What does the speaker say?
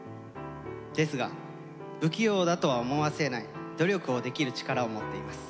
ですが不器用だとは思わせない努力をできる力を持っています。